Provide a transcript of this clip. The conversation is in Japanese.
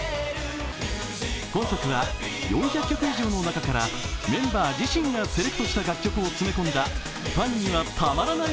今作は４００曲以上の中からメンバー自身がセレクトした楽曲を詰め込んだファンにはたまらない